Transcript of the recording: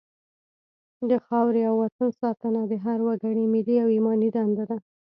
د خاورې او وطن ساتنه د هر وګړي ملي او ایماني دنده ده.